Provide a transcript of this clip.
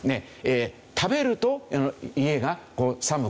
食べると家が寒くて困る。